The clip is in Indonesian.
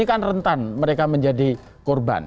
ini kan rentan mereka menjadi korban